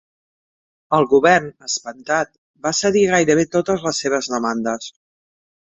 El govern, espantat, va cedir a gairebé totes les seves demandes.